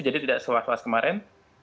jadi tidak sewas was kemarin